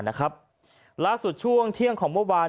ล่าสุดช่วงเที่ยงของเมื่อวาน